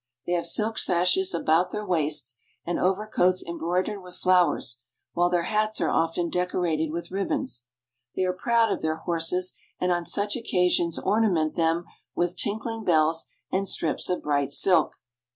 They have silk sashes about their waists and overcoats embroidered with flowers, while their hats are often deco rated with ribbons. They are proud of their horses, and on such occasions ornament them with tinkling bells and strips of bright silk.